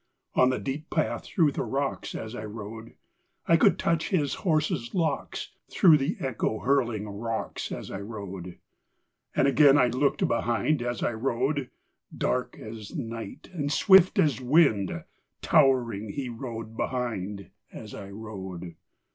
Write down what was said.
On the deep path through the rocks, As I rode, I could touch his horse's locks; Through the echo hurling rocks, As I rode. And again I looked behind, As I rode Dark as night and swift as wind, Towering, he rode behind, As I rode.